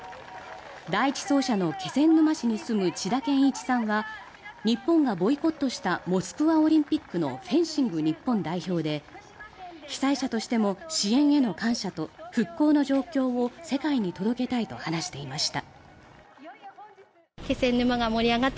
第１走者の気仙沼市に住む千田健一さんは日本がボイコットしたモスクワオリンピックのフェンシング日本代表で被災者としても支援への感謝と復興の状況を世界に届けたいと話していました。